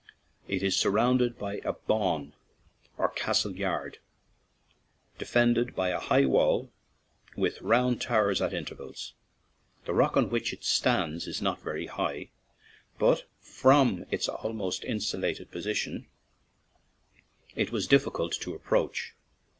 It is surrounded by a "bawn," or castle yard, defended by a high wall, with round towers at intervals. The rock on which it stands is not very high, but from its almost insulated posi tion it was difficult to approach.